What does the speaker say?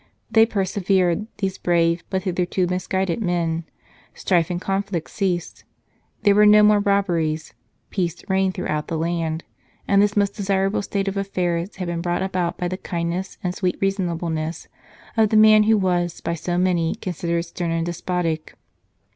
They persevered, these brave but hitherto misguided men ; strife and conflict ceased ; there were no more robberies ; peace reigned through out the land. And this most desirable state of affairs had been brought about by the kindness and sweet reasonableness of the man who was by so many considered stern and despotic.